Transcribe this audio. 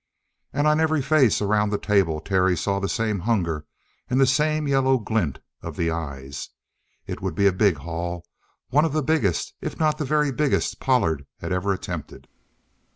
And on every face around the table Terry saw the same hunger and the same yellow glint of the eyes. It would be a big haul, one of the biggest, if not the very biggest, Pollard had ever attempted.